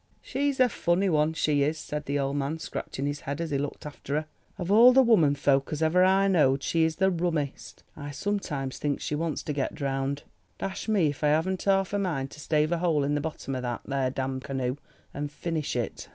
"She's a funny one she is," said the old man scratching his head as he looked after her, "of all the woman folk as ever I knowed she is the rummest. I sometimes thinks she wants to get drowned. Dash me if I haven't half a mind to stave a hole in the bottom of that there damned canoe, and finish it."